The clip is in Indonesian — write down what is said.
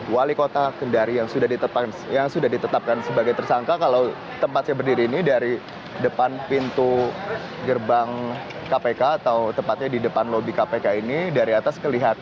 wali kota kendari yang sudah ditetapkan sebagai tersangka kalau tempat saya berdiri ini dari depan pintu gerbang kpk atau tepatnya di depan lobi kpk ini dari atas kelihatan